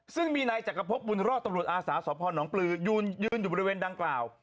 ซึ่งมีนายจักรพบบุญรอดตำรวจอาสาสพนปลือยืนอยู่บริเวณดังกล่าว